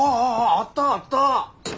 あったあった！